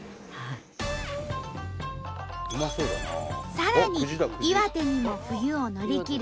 さらに岩手にも冬を乗り切る